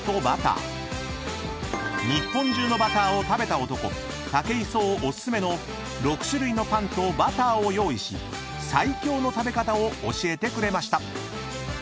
［日本中のバターを食べた男武井壮お薦めの６種類のパンとバターを用意し最強の食べ方を教えてくれました］